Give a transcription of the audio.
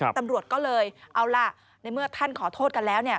ตำรวจก็เลยเอาล่ะในเมื่อท่านขอโทษกันแล้วเนี่ย